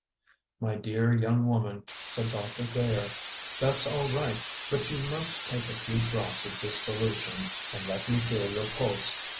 "My dear young woman," said Doctor Thayer, "that's all right, but you must take a few drops of this solution. And let me feel your pulse."